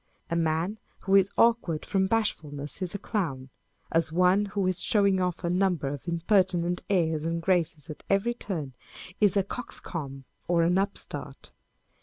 A man who is awkward from bashfulness is a clown, â€" as one who is showing off a number of impertinent airs and graces at every turn, is a coxcomb or an upstart.